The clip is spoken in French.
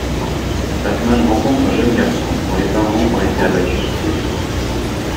Batman rencontre un jeune garçon dont les parents ont été abattus sous ses yeux.